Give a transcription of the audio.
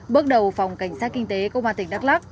bước đầu phòng cảnh sát kinh tế công an tỉnh đắk lắc